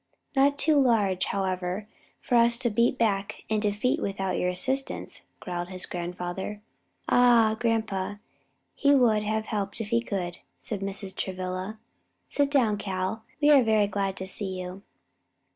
"Not too large, however, for us to beat back and defeat without your assistance," growled his grandfather. "Ah, grandpa, he would have helped if he could," said Mrs. Travilla. "Sit down, Cal, we are very glad to see you."